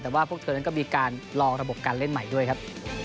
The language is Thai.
แต่ว่าพวกเธอนั้นก็มีการลองระบบการเล่นใหม่ด้วยครับ